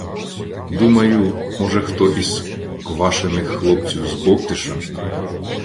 Думаю, може, хто із Квашиних хлопців з Бовтиша